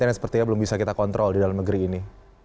yang sepertinya belum bisa kita kontrol di dalam negeri ini